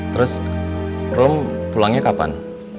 terus rom pulangnya kapan